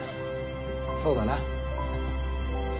そうだな。